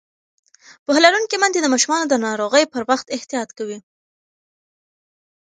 پوهه لرونکې میندې د ماشومانو د ناروغۍ پر وخت احتیاط کوي.